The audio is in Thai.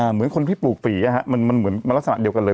เหมือนคนที่ปลูกฝีมันเหมือนลักษณะเดียวกันเลย